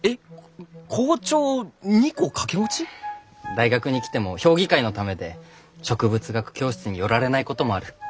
大学に来ても評議会のためで植物学教室に寄られないこともある。